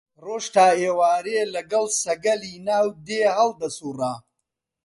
ڕۆژ تا ئێوارێ لەگەڵ سەگەلی ناو دێ هەڵدەسووڕا